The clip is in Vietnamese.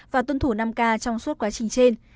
và tuân thủ năm k trong suốt quá trình trên